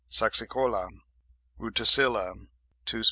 Saxicola; Ruticilla, 2 sp.